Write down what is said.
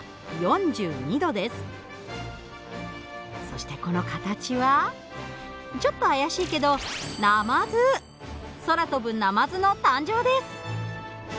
そしてこの形はちょっと怪しいけど空飛ぶナマズの誕生です！